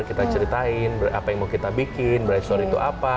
kita ceritain apa yang mau kita bikin bright store itu apa